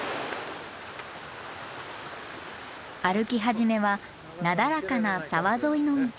歩き始めはなだらかな沢沿いの道。